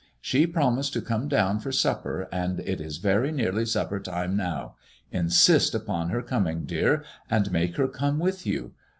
" She promised to come down for supper, and it is very nearly supper time now. Insist upon her coming, dear, and make her MADEMOISELLE IXS. I49 come with you.